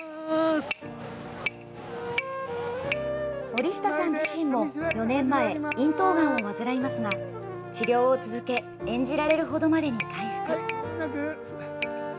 森下さん自身も４年前、咽頭がんを患いますが、治療を続け、演じられるほどまでに回復。